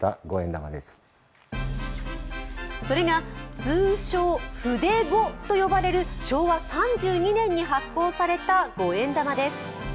それが通称・フデ五と呼ばれる昭和３２年に発行された五円玉です。